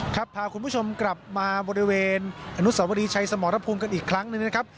พาคุณผู้ชมกลับมาบริเวณอนุสวรีชัยสมรภูมิกันอีกครั้งหนึ่งนะครับ